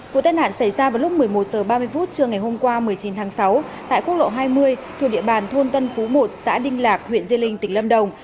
vụ tai nạn xảy ra vào lúc một mươi một h ba mươi trưa ngày hôm qua một mươi chín tháng sáu tại quốc lộ hai mươi thuộc địa bàn thôn tân phú một xã đinh lạc huyện di linh tỉnh lâm đồng